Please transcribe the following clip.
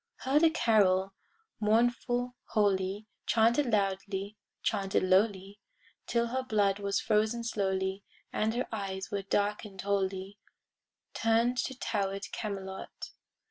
Heard a carol, mournful, holy, Chanted loudly, chanted lowly,[Pg 72] Till her blood was frozen slowly And her eyes were darken'd wholly, Turn'd to tower'd Camelot.